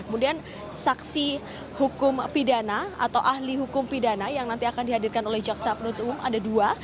kemudian saksi hukum pidana atau ahli hukum pidana yang nanti akan dihadirkan oleh jaksa penuntut umum ada dua